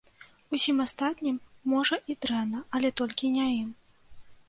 Усім астатнім, можа, і дрэнна, але толькі не ім.